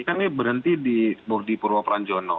karena berhenti di murdi purwopranjono